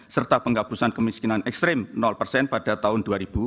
serta penghapusan kemiskinan ekstrim persen pada tahun dua ribu dua puluh